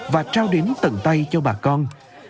và trao đến tận tay cho bà con